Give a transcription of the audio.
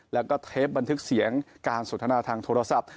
แล้วก็เทปบันทึกเสียงการสนทนาทางโทรศัพท์